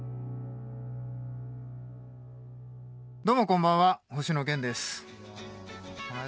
どうもこんばんは星野源です。